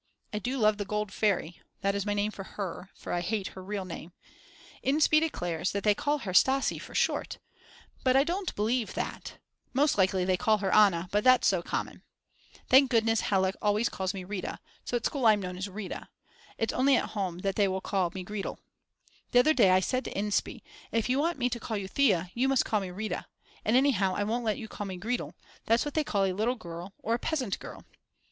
I do love the Gold Fairy, that is my name for her, for I hate her real name. Inspee declares that they call her Stasi for short, but I don't believe that; most likely they call her Anna, but that's so common. Thank goodness Hella always calls me Rita, so at school I'm known as Rita. It's only at home that they will call me Gretl. The other day I said to Inspee: If you want me to call you Thea you must call me Rita; and anyhow I won't let you call me Gretl, that's what they call a little girl or a peasant girl.